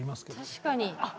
確かに。